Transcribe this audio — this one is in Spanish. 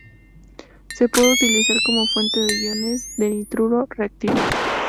Se puede utilizar como fuente de iones de nitruro reactivos.